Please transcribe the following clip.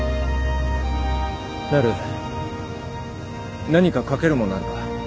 なる何か書けるものあるか？